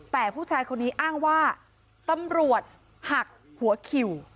แต่ผู้ชายคนนี้อ้างว่าตำรวจหักหัวคิว